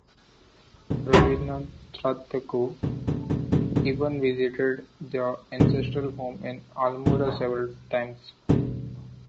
Rabindranath Tagore even visited their ancestral home in Almora several times.